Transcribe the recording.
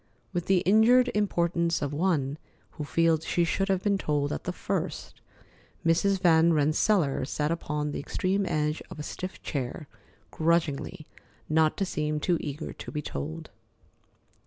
With the injured importance of one who feels she should have been told at the first, Mrs. Van Rensselaer sat down upon the extreme edge of a stiff chair, grudgingly, not to seem too eager to be told.